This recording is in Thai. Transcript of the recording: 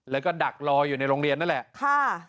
แล้วก็ดักรออยู่ในโรงเรียนนั่นแหละค่ะ